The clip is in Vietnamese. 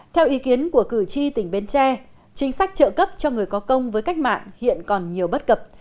theo ý kiến của cử tri tỉnh bến tre chính sách trợ cấp cho người có công với cách mạng hiện còn nhiều bất cập